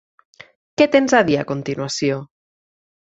Què tens a dir a continuació?